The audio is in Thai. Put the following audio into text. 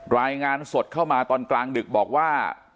รายงานสดเข้ามาตอนกลางดึกบอกว่า